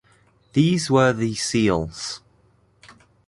These were the seals.